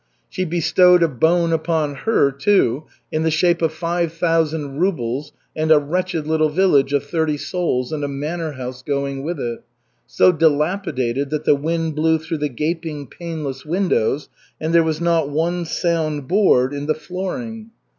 She bestowed "a bone" upon her too, in the shape of five thousand rubles and a wretched little village of thirty souls and a manor house going with it, so dilapidated that the wind blew through the gaping paneless windows and there was not one sound board in the flooring.